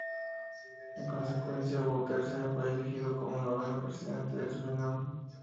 En consecuencia Bouterse fue elegido como noveno Presidente de Surinam.